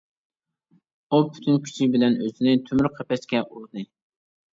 ئۇ پۈتۈن كۈچى بىلەن ئۆزىنى تۆمۈر قەپەسكە ئۇردى.